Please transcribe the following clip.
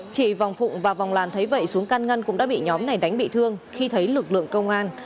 chị vòng phụng vào vòng làn thấy vậy xuống căn ngăn cũng đã bị nhóm này đánh bị thương khi thấy lực lượng công an